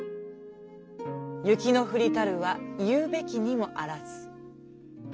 雪の降りたるはいふべきにもあらず。